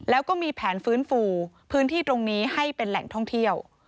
แล้วก็มีแผนฟื้นฟูพื้นที่ตรงนี้ให้เป็นแหล่งท่องเที่ยว